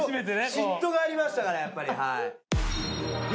嫉妬がありましたからやっぱり。